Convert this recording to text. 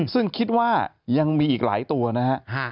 ซึ่งคิดว่ายังมีอีกหลายตัวนะฮะ